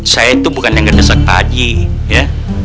saya tuh bukan yang ngedesek pakji ya